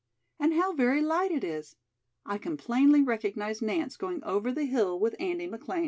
"And how very light it is. I can plainly recognize Nance going over the hill with Andy McLean."